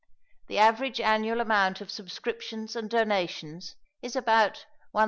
The average annual amount of subscriptions and donations is about £1100.